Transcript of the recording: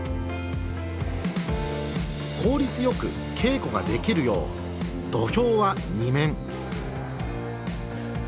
効率よく稽古ができるよう土俵は２面。